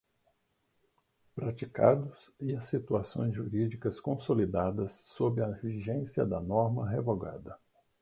praticados e as situações jurídicas consolidadas sob a vigência da norma revogada.